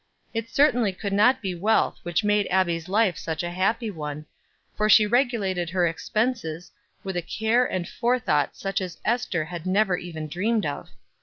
It certainly could not be wealth which made Abbie's life such a happy one, for she regulated her expenses with a care and forethought such as Ester had never even dreamed of.